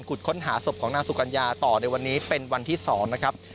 ค้นหาศพของนางสุกัญญาต่อในวันนี้เป็นวันที่๒นะครับ